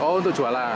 oh untuk jualan